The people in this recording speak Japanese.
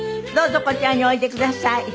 どうぞこちらにおいでください。